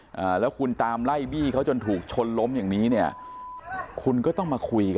อ่าแล้วคุณตามไล่บี้เขาจนถูกชนล้มอย่างนี้เนี่ยคุณก็ต้องมาคุยกัน